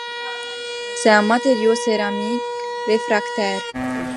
C'est un matériau céramique réfractaire.